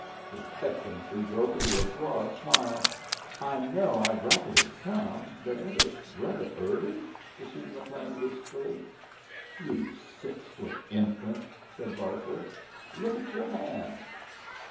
His Excellency broke into his broad smile. "I know I've racketed some, but ain't it ruther early?" pursued McLean, wistfully. "You six foot infant!" said Barker. "Look at your hand."